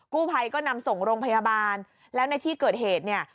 กู้ภัยก็นำส่งโรงพยาบาลแล้วในที่เกิดเหตุเนี่ย